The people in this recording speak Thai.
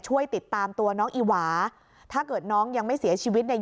ช่วยติดตามตัวน้องอีหวาถ้าเกิดน้องยังไม่เสียชีวิตเนี่ย